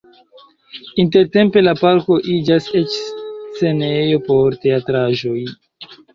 Intertempe la parko iĝas eĉ scenejo por teatraĵoj.